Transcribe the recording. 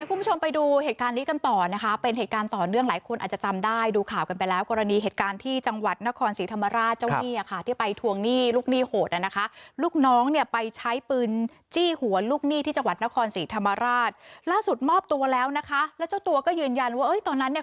คุณผู้ชมไปดูเหตุการณ์นี้กันต่อนะคะเป็นเหตุการณ์ต่อเนื่องหลายคนอาจจะจำได้ดูข่าวกันไปแล้วกรณีเหตุการณ์ที่จังหวัดนครศรีธรรมราชเจ้าหนี้อ่ะค่ะที่ไปทวงหนี้ลูกหนี้โหดอ่ะนะคะลูกน้องเนี่ยไปใช้ปืนจี้หัวลูกหนี้ที่จังหวัดนครศรีธรรมราชล่าสุดมอบตัวแล้วนะคะแล้วเจ้าตัวก็ยืนยันว่าเอ้ยตอนนั้นเนี่ย